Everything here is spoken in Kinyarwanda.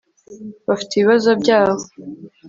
bafite ibibazo byabo